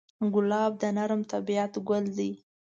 ګلاب د نرم طبعیت ګل دی.